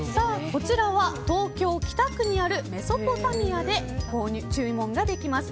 こちらは東京・北区にあるメソポタミアで注文ができます。